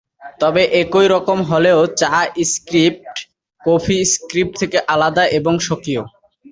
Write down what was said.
তবে একই রকমের হলেও চা স্ক্রিপ্ট, কফি স্ক্রিপ্ট থেকে আলাদা এবং স্বকীয়।